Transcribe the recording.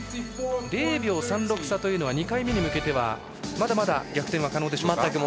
０秒３６差というのは２回目に向けてはまだまだ逆転可能でしょうか。